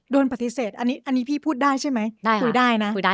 โดนปฏิเสธอันนี้พี่พูดได้ใช่ไหมได้คุยได้นะ